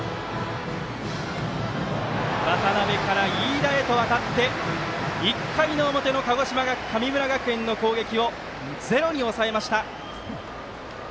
渡邊から飯田へと渡って１回の表の鹿児島の神村学園の攻撃をゼロに抑えました。